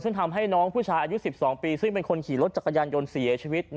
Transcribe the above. ซึ่งทำให้น้องผู้ชายอายุ๑๒ปีซึ่งเป็นคนขี่รถจักรยานยนต์เสียชีวิต